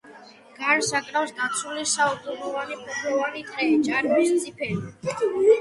გარს აკრავს დაცული საუკუნოვანი ფოთლოვანი ტყე, ჭარბობს წიფელი.